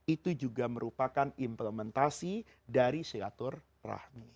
itu juga merupakan implementasi dari silaturahmi